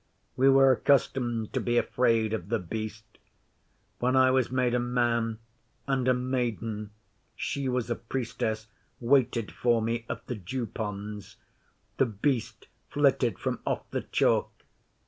We were accustomed to be afraid of The Beast. When I was made a man, and a maiden she was a Priestess waited for me at the Dew ponds, The Beast flitted from off the Chalk.